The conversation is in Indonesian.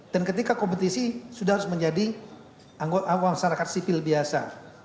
dan ketika kompetisi sudah harus menjadi anggota masyarakat sipil biasa